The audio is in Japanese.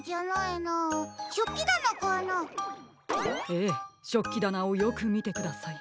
ええしょっきだなをよくみてください。